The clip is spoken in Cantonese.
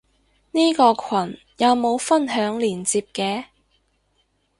呢個羣有冇分享連接嘅？